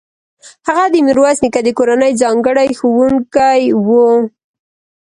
هغه د میرویس نیکه د کورنۍ ځانګړی ښوونکی و.